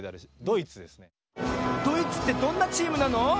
ドイツってどんなチームなの？